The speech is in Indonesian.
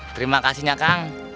terima kasihnya kang